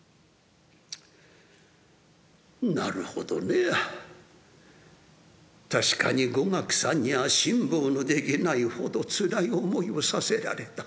「なるほどね。確かに五岳さんには辛抱のできないほどつらい思いをさせられた。